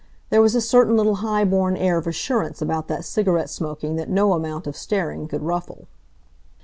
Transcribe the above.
There was a certain little high born air of assurance about that cigarette smoking that no amount of staring could ruffle.